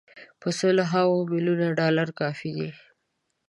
په سل هاوو میلیونه ډالر کافي دي.